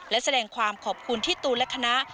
และแสดงความขอบคุณที่ตูนและคณะ